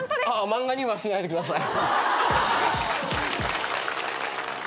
漫画にはしないでください。